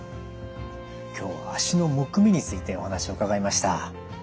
今日は脚のむくみについてお話を伺いました。